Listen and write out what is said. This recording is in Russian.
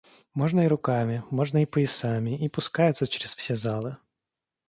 Можно и руками, можно и поясами, и пускаются чрез все залы.